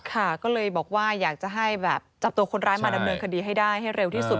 ค่ะก็เลยบอกว่าอยากจะให้แบบจับตัวคนร้ายมาดำเนินคดีให้ได้ให้เร็วที่สุด